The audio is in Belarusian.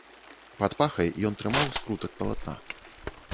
Пад пахай ён трымаў скрутак палатна.